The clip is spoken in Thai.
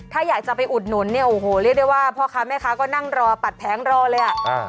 ถ้าอยากจะไปอุดหนุนเนี่ยโอ้โหเรียกได้ว่าพ่อค้าแม่ค้าก็นั่งรอปัดแผงรอเลยอ่ะ